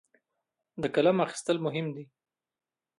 د قلم اخیستل مهم دي.